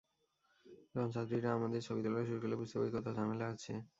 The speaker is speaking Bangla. তখন ছাত্রীরা আমাদের ছবি তোলা শুরু করলে বুঝতে পারি কোথাও ঝামেলা আছে।